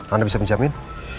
anda bisa menjamin